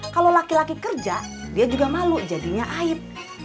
kalau laki laki kerja dia juga malu jadinya aib